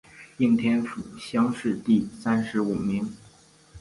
应天府乡试第三十五名。